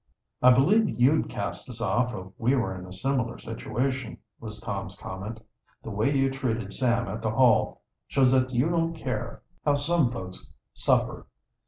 "I believe you'd cast us off, if we were in a similar situation," was Tom's comment. "The way you treated Sam at the Hall shows that you don't care how some folks suffer.